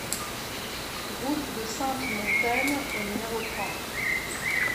Route de Sainte-Montaine au numéro trente